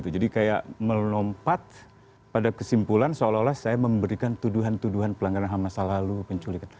jadi kayak menompat pada kesimpulan seolah olah saya memberikan tuduhan tuduhan pelanggaran hamas lalu